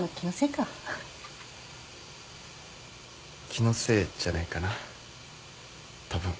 気のせいじゃないかなたぶん。